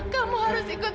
kamu harus lihat